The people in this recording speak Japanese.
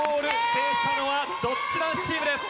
制したのはドッジ男子チームです。